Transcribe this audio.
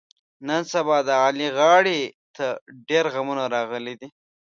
نن سبا د علي غاړې ته ډېرغمونه راغلي دي.